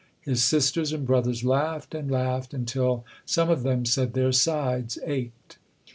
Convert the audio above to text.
His sisters and brothers laughed and laughed until some of them said their sides ached.